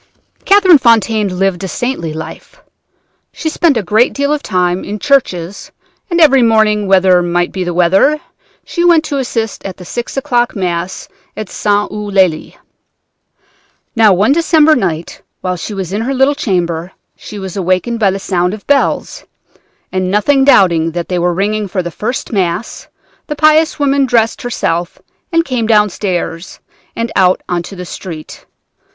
"Catherine Fontaine lived a saintly life. She spent a great deal of time in churches, and every morning, whatever might be the weather, she went to assist at the six o'clock Mass at St. Eulalie. "Now one December night, whilst she was in her little chamber, she was awakened by the sound of bells, and nothing doubting that they were ringing for the first Mass, the pious woman dressed herself, and came downstairs and out into the street.